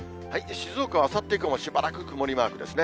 静岡はあさって以降もしばらく曇りマークですね。